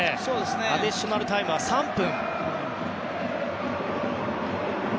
アディショナルタイムは３分。